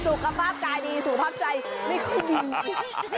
สุขภาพกายดีสุขภาพใจไม่ค่อยดี